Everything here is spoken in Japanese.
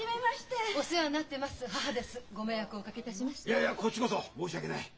いやいやこっちこそ申し訳ない。